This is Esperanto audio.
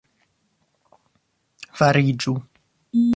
fariĝu